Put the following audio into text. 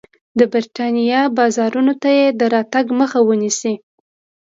د برېټانیا بازارونو ته یې د راتګ مخه ونیسي.